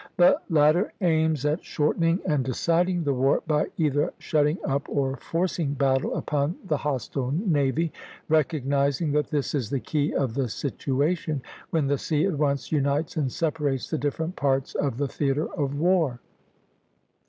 The latter aims at shortening and deciding the war by either shutting up or forcing battle upon the hostile navy, recognizing that this is the key of the situation, when the sea at once unites and separates the different parts of the theatre of war.